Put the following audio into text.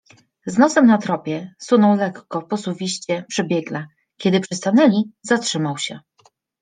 Z nosem na tropie, sunął lekko, posuwiście, przebiegle. Kiedy przystanęli - zatrzymał się